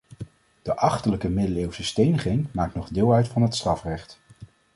De achterlijke middeleeuwse steniging maakt nog deel uit van het strafrecht.